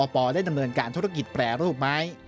ได้ดำเนินการธุรกิจแปรรูปไม้